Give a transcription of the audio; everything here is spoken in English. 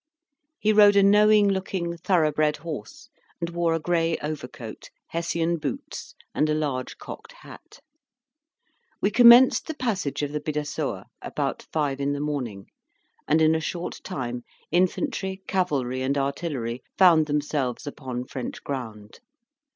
He rode a knowing looking, thorough bred horse, and wore a gray overcoat, Hessian boots, and a large cocked hat. We commenced the passage of the Bidassoa about five in the morning, and in a short time infantry, cavalry, and artillery found themselves upon French ground.